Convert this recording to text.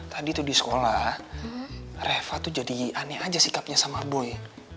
tadi tuh di sekolah reva tuh jadi aneh aja sikapnya sama boy